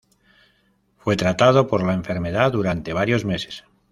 Fue tratado por la enfermedad durante varios meses.